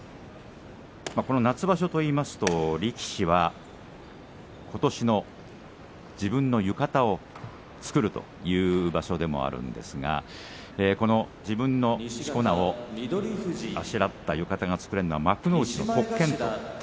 この夏場所といいますと力士はことしの自分の浴衣を作るという場所でもあるんですが自分のしこ名をあしらった浴衣を作れるのは幕内の特権。